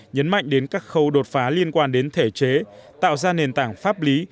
nhấn mạnh đến các khâu đột phá liên quan đến thể chế tạo ra nền tảng pháp lý